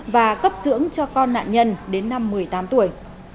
và cấp dưỡng cho con nạn nhân đến năm một mươi tám tuổi